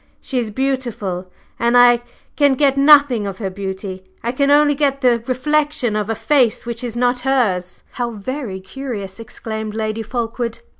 She is beautiful, and I can get nothing of her beauty, I can only get the reflection of a face which is not hers." "How very curious!" exclaimed Lady Fulkeward.